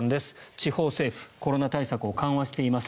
地方政府、コロナ対策を緩和しています。